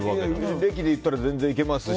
歴でいったら全然いけますし。